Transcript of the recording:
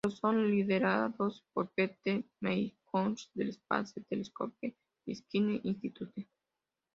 Son liderados por Peter McCullough del Space Telescope Science Institute.